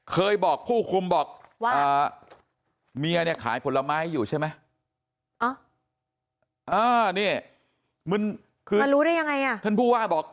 เคยบอกผู้คุมบอกว่าเมียเนี่ยขายผลไม้อยู่ใช่ไหมมารู้ได้ยังไงอ่ะท่านผู้ว่าบอก